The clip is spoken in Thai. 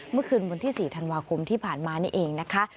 เมื่อคืนวันที่๔ธันวาคมที่ผ่านมานี่เองนะคะ